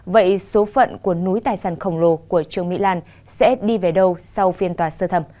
vậy số phận của núi tài sản khổng lồ của trương mỹ lan sẽ đi về đâu sau phiên tòa sơ thẩm